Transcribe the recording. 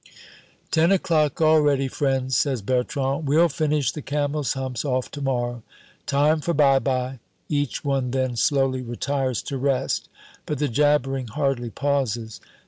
"Ten o'clock already, friends," says Bertrand. "We'll finish the camel's humps off to morrow. Time for by by." Each one then slowly retires to rest, but the jabbering hardly pauses.